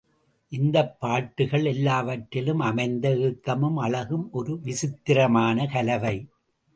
இந்தப் பாட்டுகள் எல்லாவற்றிலும் அமைந்த ஏக்கமும் அழகும் ஒரு விசித்திரமான கலவை.